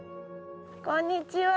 こんにちは。